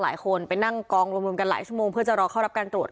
หลายคนไปนั่งกองรวมกันหลายชั่วโมงเพื่อจะรอเข้ารับการตรวจ